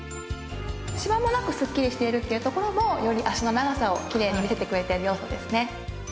しわもなくすっきりしているところもより脚の長さをきれいに見せてくれている要素ですね。